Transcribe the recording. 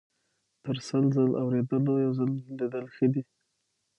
- تر سل ځل اوریدلو یو ځل لیدل ښه دي.